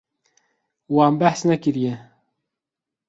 Wan behs nekiriye.